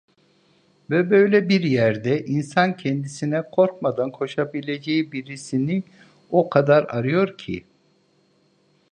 Ve böyle bir yerde insan kendisine korkmadan koşabileceği birisini o kadar arıyor ki…